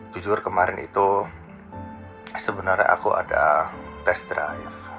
jujur kemarin itu sebenarnya aku ada tes drive